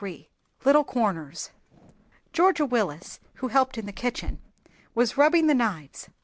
_ LITTLE CORNERS Georgia Willis, who helped in the kitchen, was rubbing the knives.